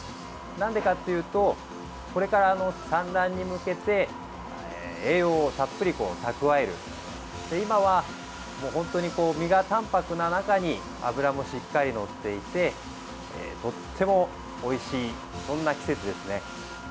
なんでかっていうとこれから産卵に向けて栄養をたっぷり蓄える今は身が淡泊な中に脂もしっかりのっていてとってもおいしいそんな季節ですね。